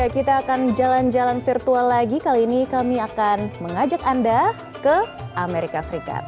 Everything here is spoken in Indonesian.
kita akan jalan jalan virtual lagi kali ini kami akan mengajak anda ke amerika serikat